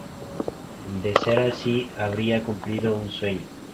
De ser así, habría cumplido un sueño.